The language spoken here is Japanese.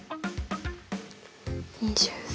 ２３。